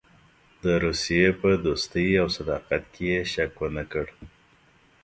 د روسیې په دوستۍ او صداقت کې یې شک ونه کړ.